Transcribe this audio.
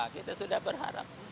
kita sudah berharap